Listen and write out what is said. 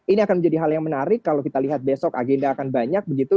ini akan menjadi hal yang menarik kalau kita lihat besok agenda akan banyak begitu